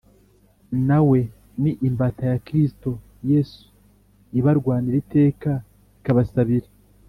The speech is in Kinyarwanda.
na we ni imbata ya Kristo Yesu ibarwanira iteka ikabasabira